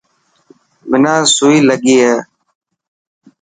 منا سوئي لگي هي.